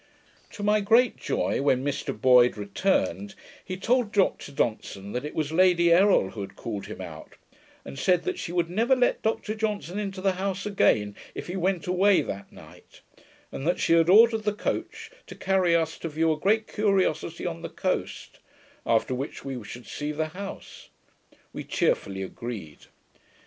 To my great joy, when Mr Boyd returned, he told Dr Johnson that it was Lady Errol who had called him out, and said that she would never let Dr Johnson into the house again, if he went away that night; and that she had ordered the coach, to carry us to view a great curiosity on the coast, after which we should see the house. We cheerfully agreed.